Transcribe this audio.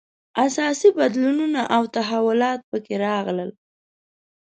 اساسي بدلونونه او تحولات په کې راغلل.